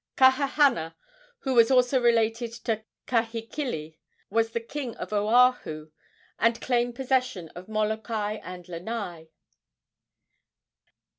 Kahahana, who was also related to Kahekili, was the king of Oahu and claimed possession of Molokai and Lanai.